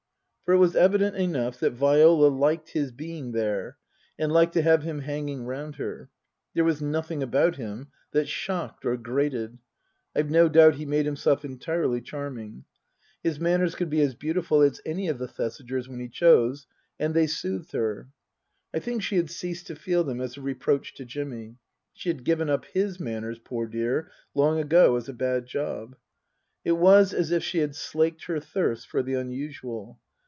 For it was evident enough that Viola liked his being there, and liked to have him hanging round her. There was nothing about him that shocked or grated. I've no doubt he made himself entirely charming. His manners could be as beautiful as any of the Thesigers 1 when he chose, and they soothed her. I think she had ceased to feel them as a reproach to Jimmy. She had given up his manners, poor dear, long ago, as a bad job. It was as if she had slaked her thirst for the unusual.